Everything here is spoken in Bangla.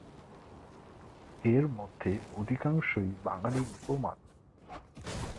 এর মধ্যে অধিকাংশই বাঙালি মুসলমান।